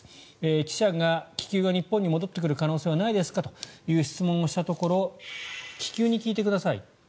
記者が気球が日本に戻ってくる可能性はないですかと質問したところ気球に聞いてください。